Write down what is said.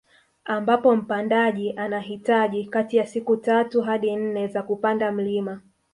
Ambapo mpandaji anahitaji kati ya siku tatu hadi nne za kupanda mlima